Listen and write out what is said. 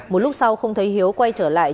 một lúc sau không thấy hiếu quay trở lại